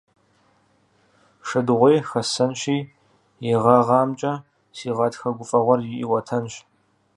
Шэдыгъуей хэссэнщи, и гъэгъамкӀэ си гъатхэ гуфӀэгъуэр иӀуэтэнщ.